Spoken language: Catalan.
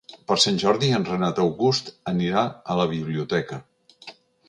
Per Sant Jordi en Renat August anirà a la biblioteca.